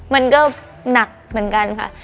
มันก็หนักเหมือนกันค่ะ